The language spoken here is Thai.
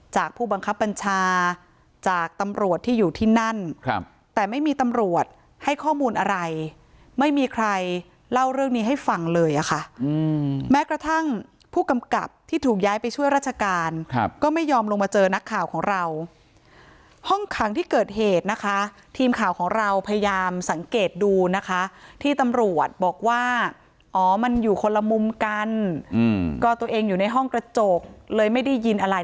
ผู้บังคับบัญชาจากตำรวจที่อยู่ที่นั่นครับแต่ไม่มีตำรวจให้ข้อมูลอะไรไม่มีใครเล่าเรื่องนี้ให้ฟังเลยอะค่ะแม้กระทั่งผู้กำกับที่ถูกย้ายไปช่วยราชการก็ไม่ยอมลงมาเจอนักข่าวของเราห้องขังที่เกิดเหตุนะคะทีมข่าวของเราพยายามสังเกตดูนะคะที่ตำรวจบอกว่าอ๋อมันอยู่คนละมุมกันก็ตัวเองอยู่ในห้องกระจกเลยไม่ได้ยินอะไร